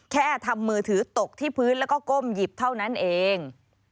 แค่ทำมือถือตกที่พื้นแล้วก็ก้มหยิบเท่านั้นเอง